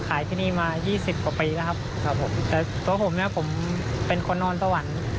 ขายที่นี่มายี่สิบกว่าปีแล้วครับครับผมแต่ตัวผมเนี่ยผมเป็นคนนอนสวรรค์